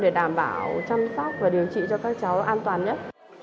để đảm bảo chăm sóc và điều trị cho các cháu an toàn nhất